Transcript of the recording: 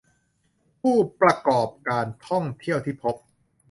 ผู้ประกอบการท่องเที่ยวที่พบ